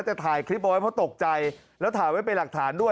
แต่ถ่ายคลิปเอาไว้เพราะตกใจแล้วถ่ายไว้เป็นหลักฐานด้วย